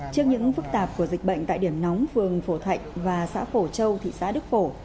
trước những phức tạp của dịch bệnh tại điểm nóng phường phổ thạnh và xã phổ châu thị xã đức phổ